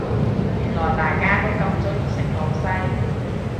原來大家都咁鍾意食好西